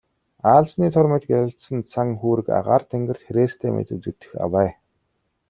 Аалзны тор мэт гялалзсан цан хүүрэг агаар тэнгэрт хэрээстэй мэт үзэгдэх авай.